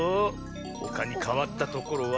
ほかにかわったところは。